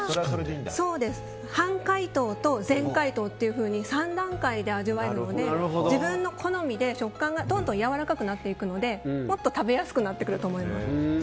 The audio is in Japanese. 半解凍と全解凍と３段階で味わえるので自分の好みで食感がだんだんやわらかくなっていくのでもっと食べやすくなってくると思います。